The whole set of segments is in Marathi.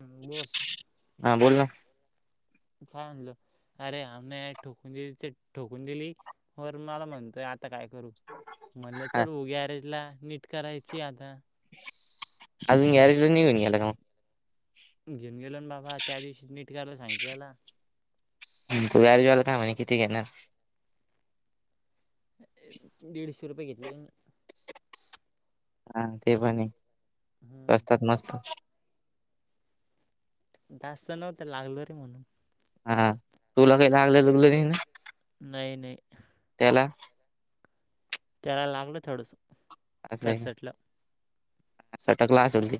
हम्म बोल हा बोल ना काय आणलं? अरे आम्ही ठोकून दिली ठोकून दिली. वरून मला म्हणतोय आता काय करू म्हणलं हा चल हो गॅरेजला नीट करायची आता. अजून गॅरेजला नाही घेऊन गेला का मग. घेऊन गेला ना बाबा त्या दिवशीच नीट कारायला सांगितले त्याला. तो गॅरेजवाला काय म्हणे किती घेणार दीडशे रुपये घेतले. हा ते पण आहे. हम्म असतात मस्त जास्त नव्हत लागल रे म्हणून हा तुला काही लागलं तु नाही नाही त्याला त्याला लागलं थोडंसं असं आहे का? खरचटलं. सटकला असेल ते.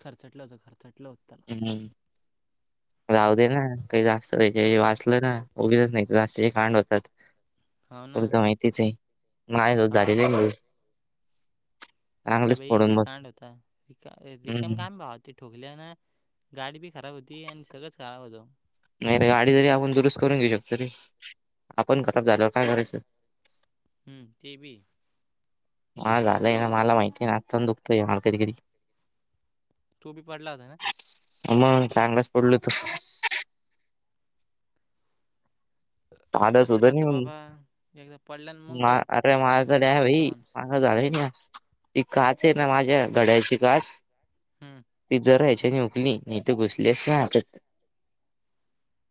खर्चटलं होत. खर्चटलं होतं त्याला हम्म जाह हम्म दे ना काही जास्त वाचलं ना, उगीचच नाही जास्त खांड हो ना होतातल माहि. तिथ, माय हा झालेलं. आहे मण होता भाई फोडून लई बघ कांड होता रिकम हम्म काम भा होता ते ठोकल्या ना गाडी बी खराब होती आणि सगळंच खराब होतं. नाही रे... गाडी जरी आपण दुरुस्त करून घेऊ शकतो रे आपण खराब झालो काय करायचं? हम्म ते बी ह झालंय ना मला माहिती आहे ना आत्ता दुखतोय मला कधी कधी तू पी पडला, होता ना. मग चांगलाच पडल तर तसं साध-सुध राहतं नाही बाबा एकदा पडल्यान मग कळतं अरे गाडीन माझ्याकडं कसं आहे पडतो भाई... माणूस माझा झालंय ना ती काच आहे. ना माझ्या घड्याची काच हम ती जरा याच्या नि उकली नाही ते घुसलीच नाही. आप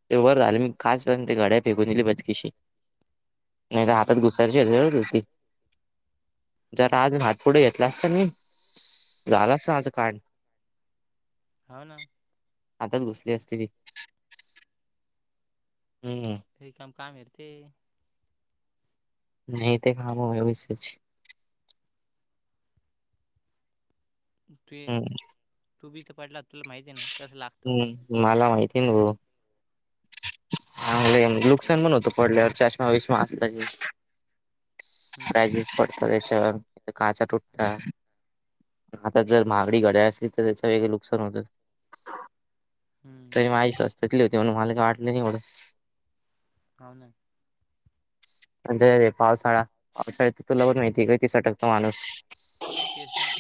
ते वर झाले मी खासप ते घड्या फेगून दिली बचकीशी नाही तर हम्म हातात हम्म घुसायची ह हळत होती हम्म जरा अजून हात पुढे घेतला असता. नाही झाला अस आज कान हो ना आताच घुसली असते. ती हम् काम आहे रे ते नाही ते काम विैसेच हम्म तू बी इथ पडला तुला माहिती आहे ना कसं लागतं म्हणून हम्म मला. माहिती न गो चांगलं नुकसान पण होतं पडल्यावर चष्मा विष्मा असता हम्म स्क्रचेस पडत त्याच्यावर काचा तुटतात आता जर महागडी घडायला. असेल तर त्याच वेगळं नुकसान होतं. हम्म तरी माझई स््वस्ततली होती म्हणून मला काय वाटलं नाही एवढं हो ना अ अे पावसाळा पावसाळ्या तर तुला पण माहितीय आहे का तिसटकतो माणूस तेच ना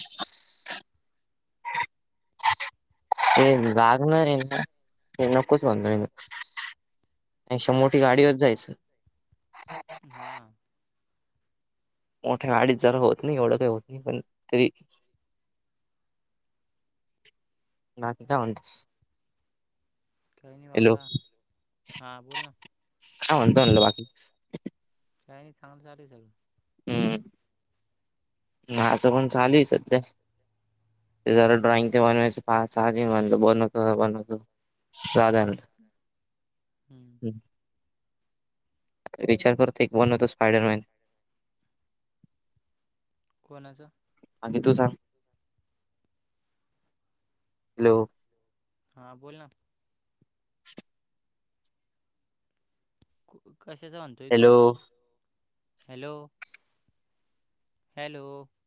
ह ते लागणार आहे का नकोच म्हणलं मी अक्षा मोठी गाडीवर जायचं हा मोठ्या गाडीत जरा होत नाही एवढं काही होत नाही पण तरी बाकी काय म्हणतोस? काही नाही हॅलो... बाबा हा बोल ना काय म्हणतो म्हणलं बाकी काही नाही चांगलं चालू आहे सगळं हम्म माझं पण चालू आहे सध्या ते जरा ड्रॉइंग ते बनवायचं. पा ार म्हन बनवतो बनवतो साधारण हम्म विचार करतोय एक बन होता स्पायडरमॅन कोणाचं? आधी तू सांग हॅलो... हां बोल ना कशाच. म्हणतोय, तू हॅलो हॅलो. हॅलो